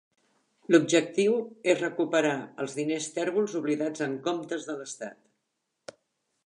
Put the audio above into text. L'objectiu és recuperar els diners tèrbols oblidats en comptes de l'Estat.